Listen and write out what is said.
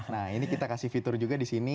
nah ini kita kasih fitur juga di sini